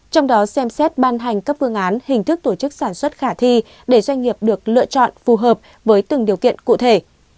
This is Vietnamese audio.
trong đó xem xét ban hành các phương án hình thức tổ chức sản xuất khả thi để doanh nghiệp được lựa chọn phù hợp với từng điều kiện cụ thể